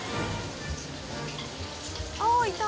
「あっいた！」